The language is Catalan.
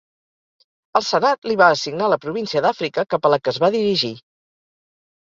El senat li va assignar la província d'Àfrica, cap a la que es va dirigir.